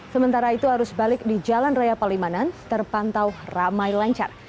sementara itu arus balik di jalan raya palimanan terpantau ramai lancar